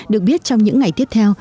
được biết trong những ngày tiếp theo